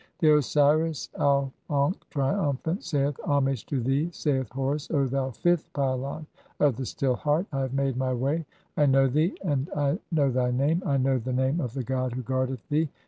V. (17) The Osiris Auf ankh, triumphant, saith :— "Homage to thee, saith Horus, O thou fifth pylon of the "Still Heart. I have made [my] way. I know thee, and I know "thy name, I know the name of the god who (18) guardeth "thee.